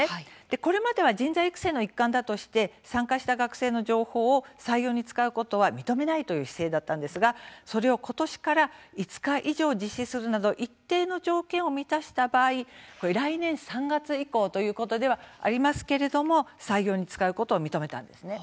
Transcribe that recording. これまでは人材育成の一環だとして参加した学生の情報を採用に使うことは認めないという姿勢でしたがそれを今年から５日以上実施するなど一定の条件を満たした場合来年３月以降ではありますが採用に使うことを認めました。